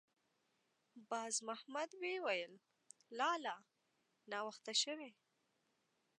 باز محمد ویې ویل: «لالا! ناوخته شوې.»